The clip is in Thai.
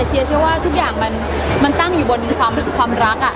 เชียวว่าทุกอย่างมันตั้งอยู่บนความรักอ่ะ